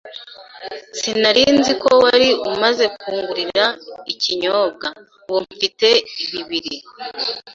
Sinari nzi ko wari umaze kungurira ikinyobwa. Ubu mfite bibiri.